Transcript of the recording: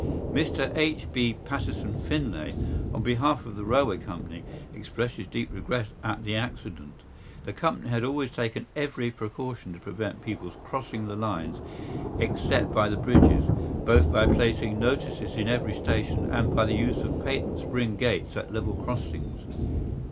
Mr H. B. Patterson Finlay, on behalf of the railway company, expressed his deep regret at the accident. The company had always taken every precaution to prevent people crossing the lines except by the bridges, both by placing notices in every station and by the use of patent spring gates at level crossings.